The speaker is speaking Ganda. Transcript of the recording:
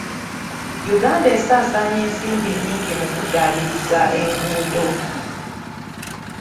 Uganda esaasaanya ensimbi nnyingi mu kuddaabiriza enguudo.